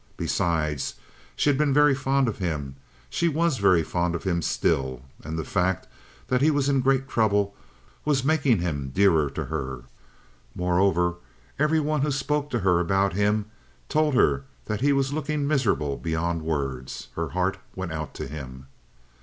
Besides, she had been very fond of him; she was very fond of him still, and the fact that he was in great trouble was making him dearer to her. Moreover, every one who spoke to her about him told her that he was looking miserable beyond words. Her heart went out to him.